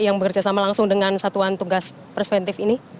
yang bekerja sama langsung dengan satuan tugas perspektif ini